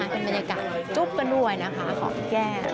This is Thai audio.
เป็นบรรยากาศจุ๊บกันด้วยขอบคุณแก้